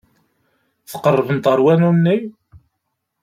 Tqerrbemt ɣer wanu-nni.